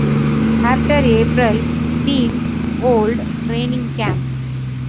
After April, teams hold training camps.